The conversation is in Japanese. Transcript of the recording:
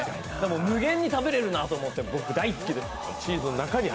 無限に食べれるなと思って僕、大好きです。